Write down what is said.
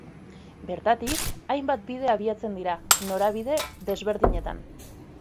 Bertatik, hainbat bide abiatzen dira, norabide desberdinetan.